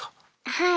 はい。